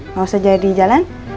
mau saja di jalan